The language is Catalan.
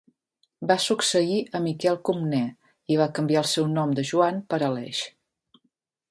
Va succeir a Miquel Comnè i va canviar el seu nom de Joan per Aleix.